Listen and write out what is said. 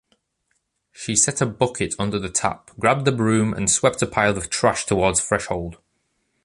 She set a bucket under the tap, grabbed the broom, and swept a pile of trash toward threshold.